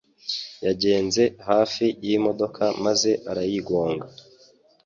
Yagenze hafi yimodoka maze arayigonga